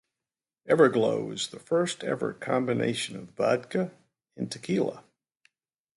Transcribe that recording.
Everglo is the first ever combination of vodka and tequila.